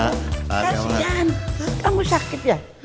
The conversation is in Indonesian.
kasian kamu sakit ya